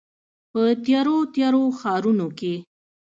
په تیارو، تیارو ښارونو کې